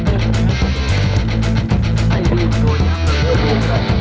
กลับให้ให้โดนจับได้